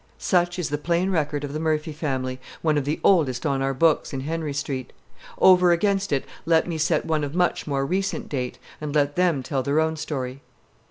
Such is the plain record of the Murphy family, one of the oldest on our books in Henry Street. Over against it let me set one of much more recent date, and let them tell their own story.